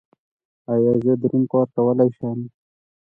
ایا زه دروند کار کولی شم؟